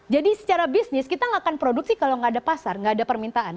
jadi secara bisnis kita gak akan produksi kalau gak ada pasar gak ada permintaan